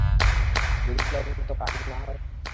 যদি প্ল্যানমতো কাজ না হয়?